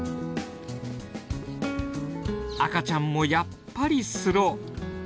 赤ちゃんもやっぱりスロー。